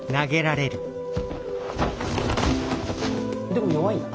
でも弱いね。